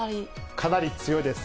かなり強いです。